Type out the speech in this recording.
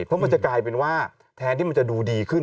เพราะมันจะกลายเป็นว่าแทนที่มันจะดูดีขึ้น